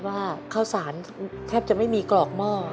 ข้าวสารแทบจะไม่มีกรอกหม้อ